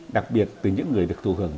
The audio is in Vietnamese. đặc biệt từ những người được thù hưởng